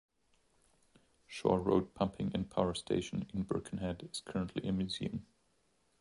Shore Road pumping and power station in Birkenhead is currently a museum.